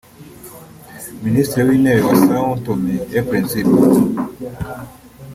Minisitiri w’Intebe wa São Tomé et Príncipe